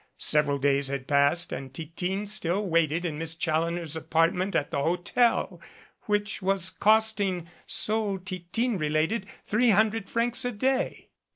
Several days had passed and Titine still waited in Miss Challoner's apart 170 MANET CICATRIX ment at the hotel which was costing, so Titine related, three hundred francs a day.